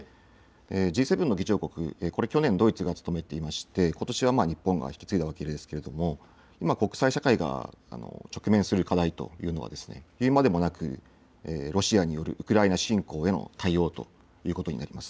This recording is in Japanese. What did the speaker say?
Ｇ７の議長国これ去年ドイツが務めていましてことしは日本が引き継いだわけですけれども国際社会が直面する課題というのは言うまでもなくロシアによるウクライナ侵攻への対応ということになります。